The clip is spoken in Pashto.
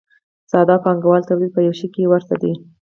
ساده او پانګوالي تولید په یوه شي کې ورته دي.